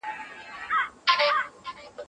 خدای خبر، څو پېړۍ پخوا